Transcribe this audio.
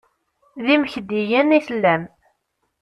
D imekdiyen i tellam.